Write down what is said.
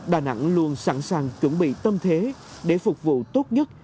đà nẵng luôn sẵn sàng chuẩn bị tâm thế để phục vụ tốt nhất